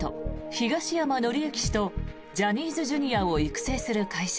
東山紀之氏とジャニーズＪｒ．を育成する会社